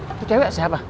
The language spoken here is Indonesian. itu cewek siapa